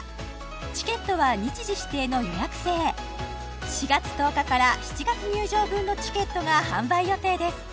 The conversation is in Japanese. チケットは日時指定の予約制４月１０日から７月入場分のチケットが販売予定です